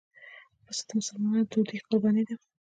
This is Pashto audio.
پسه د مسلمانانو دودي قرباني ده.